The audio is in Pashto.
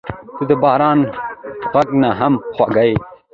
• ته د باران غږ نه هم خوږه یې.